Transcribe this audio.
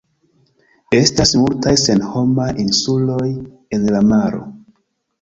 Estas multaj senhomaj insuloj en la maro.